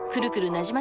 なじま